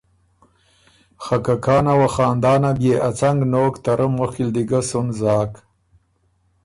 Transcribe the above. خه که کانه وه خاندانه بيې ا څنګ نوک ته رۀ مُخکی ل ګۀ سُن زاک